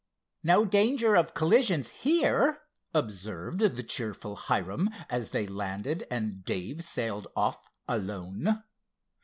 "No danger of collisions here," observed the cheerful Hiram, as they landed and Dave sailed off alone.